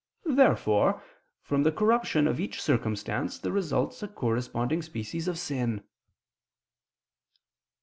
Therefore from the corruption of each circumstance there results a corresponding species of sin.